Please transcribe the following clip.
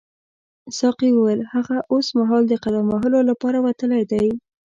ساقي وویل هغه اوسمهال د قدم وهلو لپاره وتلی دی.